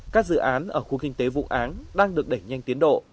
các dự án ở khu kinh tế vụng áng đang được đẩy nhanh tiến độ